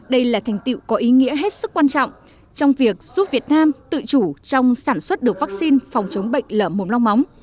đây là thành tiệu có ý nghĩa hết sức quan trọng trong việc giúp việt nam tự chủ trong sản xuất được vaccine phòng chống bệnh lở mồm long móng